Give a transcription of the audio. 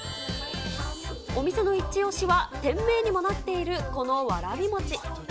お店の一押しは、店名にもなっているこのわらびもち。